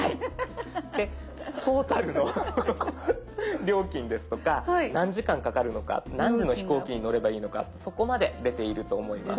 でトータルの料金ですとか何時間かかるのか何時の飛行機に乗ればいいのかそこまで出ていると思います。